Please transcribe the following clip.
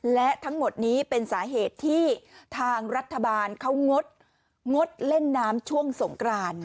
และทั้งหมดนี้เป็นสาเหตุที่ทางรัฐบาลเขางดเล่นน้ำช่วงสงกราน